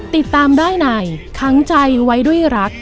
ติดตามได้ในค้างใจไว้ด้วยรัก